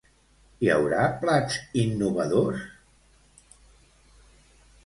Hi haurà plats innovadors?